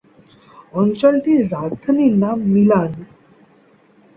অঞ্চলটির রাজধানীর নাম মিলান।